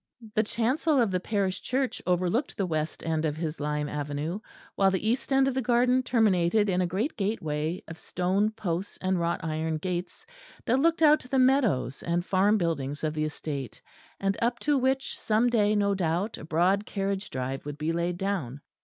The chancel of the parish church overlooked the west end of his lime avenue, while the east end of the garden terminated in a great gateway, of stone posts and wrought iron gates that looked out to the meadows and farm buildings of the estate, and up to which some day no doubt a broad carriage drive would be laid down.